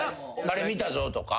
あれ見たぞとか？